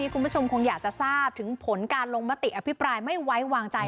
คุณผู้ชมคงอยากจะทราบถึงผลการลงมติอภิปรายไม่ไว้วางใจ